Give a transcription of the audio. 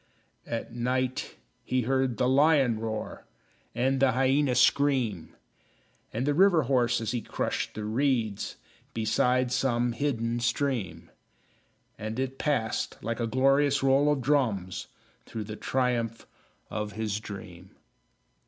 At night he heard the lion roar, And the hyena scream, And the river horse, as he crushed the reeds Beside some hidden stream; And it passed, like a glorious roll of drums, Through the triumph of his dream.